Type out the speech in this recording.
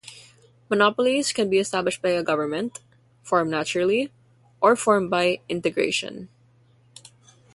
Monopolies can be established by a government, form naturally, or form by integration.